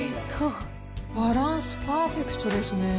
バランスパーフェクトですね。